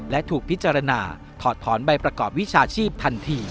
และถูกพิจารณาถอดถอนใบประกอบวิชาชีพทันที